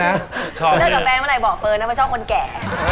เลิกกับแฟนเมื่อไหร่บอกเฟิร์นนะว่าชอบคนแก่